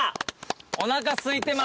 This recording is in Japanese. おなかすいてます。